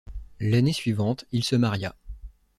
L’année suivante, il se maria.